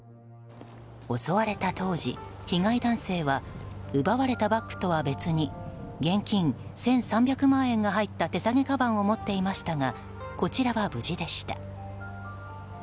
襲われた当時、被害男性は奪われたバッグとは別に現金１３００万円が入った手提げかばんを持っていましたがこちらは無事でした。